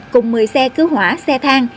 cùng một mươi xe cứu hỏa xe thang